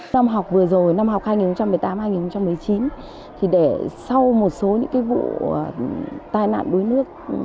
năm học vừa rồi năm học hai nghìn một mươi tám hai nghìn một mươi chín để sau một số những vụ tai nạn đuối nước